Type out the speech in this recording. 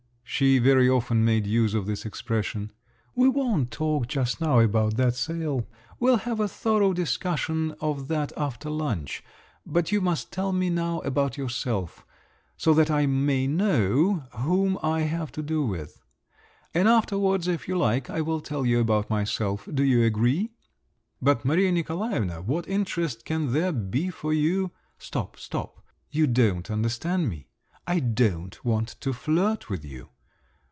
(she very often made use of this expression), we won't talk just now about that sale, we'll have a thorough discussion of that after lunch; but you must tell me now about yourself … so that I may know whom I have to do with. And afterwards, if you like, I will tell you about myself. Do you agree?" "But, Maria Nikolaevna, what interest can there be for you …" "Stop, stop. You don't understand me. I don't want to flirt with you."